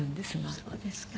そうですか。